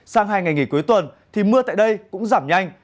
sang hai ngày nghỉ cuối tuần thì mưa tại đây cũng giảm nhanh